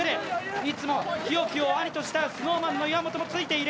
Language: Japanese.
いつも日置を兄と慕うＳｎｏｗＭａｎの岩本もついている。